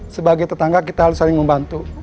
sebagai tetangga kita harus saling membantu